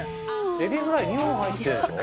「エビフライ２本入ってるんでしょ？」